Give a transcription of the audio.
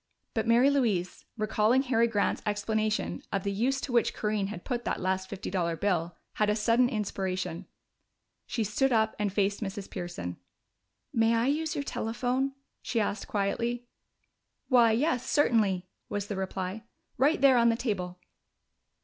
But Mary Louise, recalling Harry Grant's explanation of the use to which Corinne had put that last fifty dollar bill, had a sudden inspiration. She stood up and faced Mrs. Pearson. "May I use your telephone?" she asked quietly. "Why, yes, certainly," was the reply. "Right there on the table."